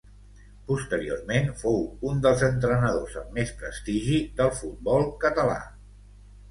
Posteriorment fou un dels entrenadors amb més prestigi del futbol català.